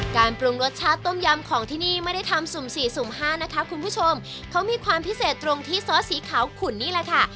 การปรุงรสชาติต้มยำของที่นี่ไม่ได้ทำสุ่มสี่สุ่มห้านะคะคุณผู้ชมเขามีความพิเศษตรงที่ซอสสีขาวขุนนี่แหละค่ะ